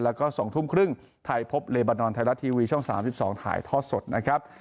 แล้วก็๒ทุ่มครึ่งไทยพบเลบานอนไทยรัฐทีวีช่อง๓๒ถ่ายทอดสดนะครับ